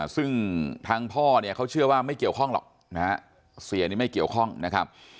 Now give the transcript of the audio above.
ซึ่งทางพ่อเนี่ยเขาเชื่อว่าไม่เกี่ยวข้องหรอกนะฮะเสียนี่ไม่เกี่ยวข้องนะครับ